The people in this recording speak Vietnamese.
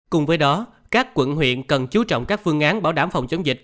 cùng với đó các quận huyện cần chú trọng các phương án bảo đảm phòng chống dịch